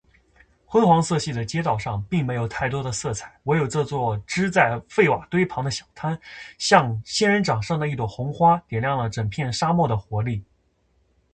昏黄色系的街道上，并没有太多的色彩，唯有这座支在废瓦堆旁的小摊，像仙人掌上的一朵红花，点亮了整片沙漠的活力。